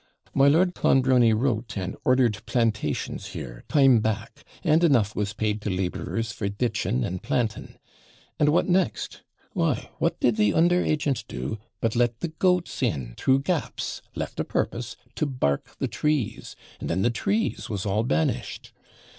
My Lord Clonbrony wrote, and ordered plantations here, time back; and enough was paid to labourers for ditching and planting. And, what next? Why, what did the under agent do, but let the goats in through gaps, left o' purpose, to bark the trees, and then the trees was all banished.